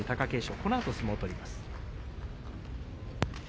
このあと相撲を取ります。